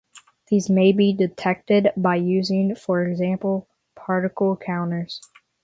These may be detected by using for example particle counters.